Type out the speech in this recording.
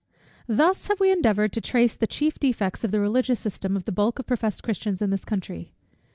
_ Thus have we endeavoured to trace the chief defects of the religious system of the bulk of professed Christians in this country.